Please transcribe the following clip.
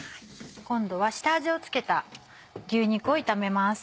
今度は下味を付けた牛肉を炒めます。